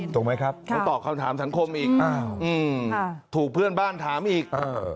ถูกไหมครับต้องตอบคำถามสังคมอีกอ้าวถูกเพื่อนบ้านถามอีก